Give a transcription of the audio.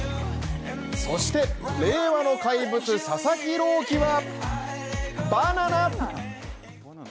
そして令和の怪物・佐々木朗希はバナナ！